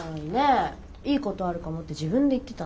いいことあるかもって自分で言ってたのに。